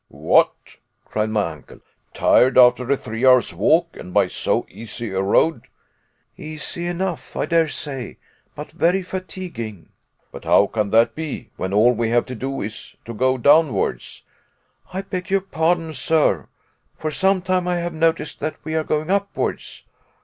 "What," cried my uncle, "tired after a three hours' walk, and by so easy a road?" "Easy enough, I dare say, but very fatiguing." "But how can that be, when all we have to do is to go downwards." "I beg your pardon, sir. For some time I have noticed that we are going upwards."